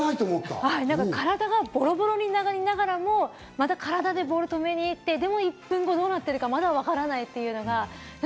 体がボロボロになりながらも体でボールを止めに行って、でも１分後、どうなってるかまだわからないっていう。